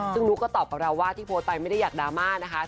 ซึ่งนุ๊กก็ตอบกับเราว่าที่โพสต์ไปไม่ได้อยากดราม่านะคะ